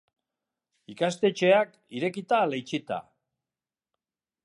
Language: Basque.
Ikastetxeak, irekita ala itxita?